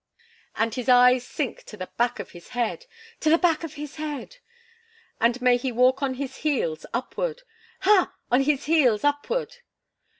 "And his eyes sink to the back of his head!" "To the back of his head!" "And may he walk on his heels upward!" "Ha! on his heels upward!"